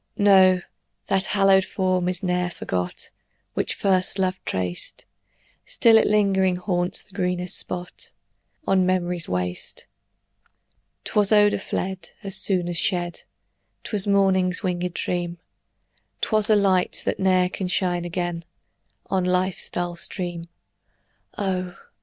No, that hallowed form is ne'er forgot Which first love traced; Still it lingering haunts the greenest spot On memory's waste. 'Twas odor fled As soon as shed; 'Twas morning's winged dream; 'Twas a light, that ne'er can shine again On life's dull stream: Oh!